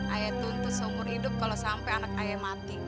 ayo tuntus seumur hidup kalau sampai anak ayo mati